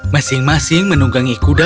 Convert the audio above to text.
masing masing menunggangi kuda